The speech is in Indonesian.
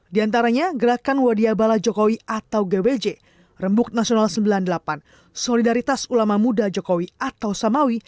di antaranya gerakan wadiabala jokowi atau gbj rembuk nasional sembilan puluh delapan solidaritas ulama muda jokowi atau samawi